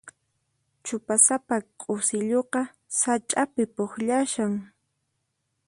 Chupasapa k'usilluqa sach'api pukllashan.